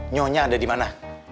nyonya ada dimana